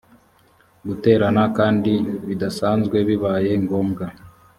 guterana kandi bidasanzwe bibaye ngombwa